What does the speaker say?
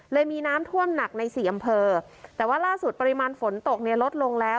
มีน้ำท่วมหนักในสี่อำเภอแต่ว่าล่าสุดปริมาณฝนตกเนี่ยลดลงแล้ว